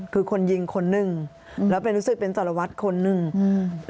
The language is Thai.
คือคนยิงคนหนึ่งแล้วไปรู้สึกเป็นสารวัตรคนหนึ่งอืม